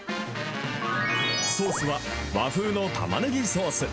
ソースは和風のたまねぎソース。